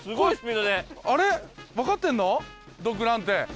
ドッグランって。